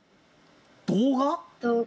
動画？